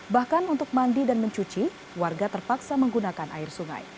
bahkan untuk mandi dan mencuci warga terpaksa menggunakan air sungai